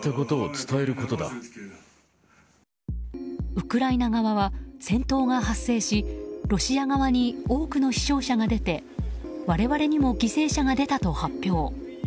ウクライナ側は、戦闘が発生しロシア側に多くの死傷者が出て我々にも犠牲者が出たと発表。